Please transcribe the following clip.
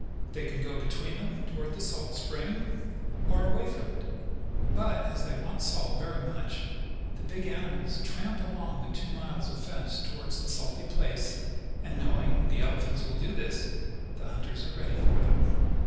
They can go between them toward the salt spring, or away from it. But, as they want salt very much, the big animals tramp along the two miles of fence toward the salty place, and, knowing the elephants will do this, the hunters are ready for them.